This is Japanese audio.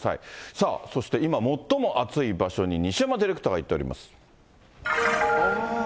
さあそして今、最も暑い場所に西山ディレクターが行っております。